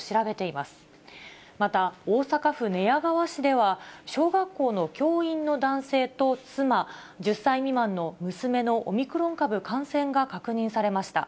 また大阪府寝屋川市では、小学校の教員の男性と妻、１０歳未満の娘のオミクロン株感染が確認されました。